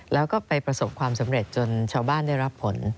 แล้วก็ไปประสบความสำเร็จจนชาวบ้านได้รับผล